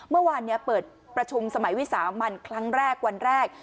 เมื่อวานนี้เปิดประชุมสมัยวิสามันครั้งแรกวันแรก